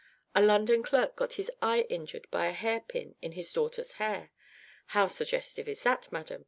A London clerk got his eye injured by a hair pin in his daughter's hair how suggestive that is, madam!